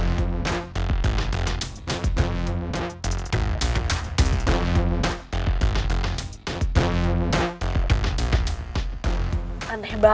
dia dari penjara itu built